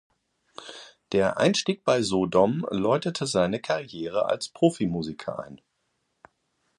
Der Einstieg bei Sodom läutete seine Karriere als Profimusiker ein.